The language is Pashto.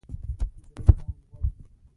نجلۍ ځان وژني.